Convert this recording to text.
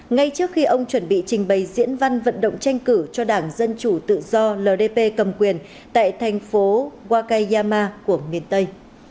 ngay trước khi ông chuẩn bị trình bày diễn văn vận động tranh cử cho đảng dân chủ tự do ldp cầm quyền tại thành phố wakayama của miền tây